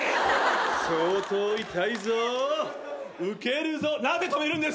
相当痛いぞウケるぞなぜ止めるんですか？